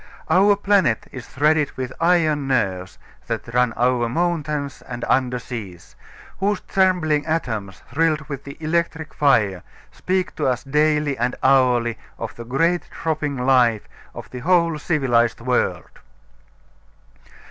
Our planet is threaded with iron nerves that run over mountains and under seas, whose trembling atoms, thrilled with the electric fire, speak to us daily and hourly of the great throbbing life of the whole civilized world.